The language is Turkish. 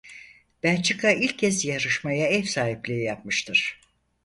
Belçika ilk kez yarışmaya ev sahipliği yapmıştır.